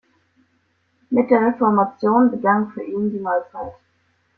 Mit der Reformation begann für ihn die Neuzeit.